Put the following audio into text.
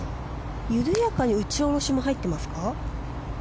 緩やかに打ち下ろしも入ってますか？